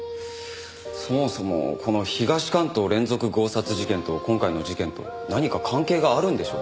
そもそもこの東関東連続強殺事件と今回の事件と何か関係があるんでしょうか？